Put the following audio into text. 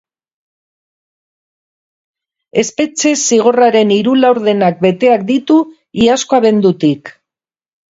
Espetxe-zigorraren hiru laurdenak beteak ditu iazko abendutik.